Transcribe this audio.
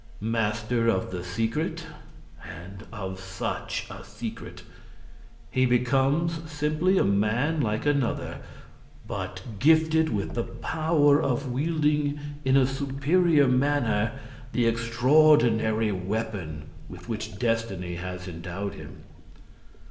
Master of the secret—and of such a secret!—he becomes simply a man like another, but gifted with the power of wielding in a superior manner the extraordinary weapon with which destiny has endowed him.